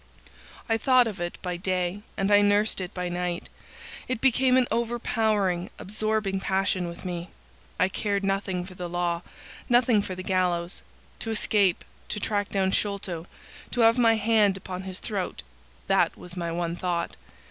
I thought of it by day and I nursed it by night. It became an overpowering, absorbing passion with me. I cared nothing for the law,—nothing for the gallows. To escape, to track down Sholto, to have my hand upon his throat,—that was my one thought.